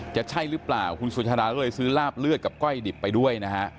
จะใช่หรือเปล่าคุณสุชาดาก็เลยซื้อลาบเลือดกับก้อยดิบไปด้วยนะฮะ